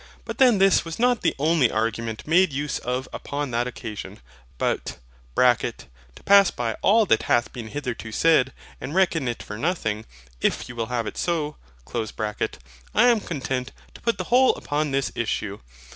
But then this was not the only argument made use of upon that occasion. But (to pass by all that hath been hitherto said, and reckon it for nothing, if you will have it so) I am content to put the whole upon this issue.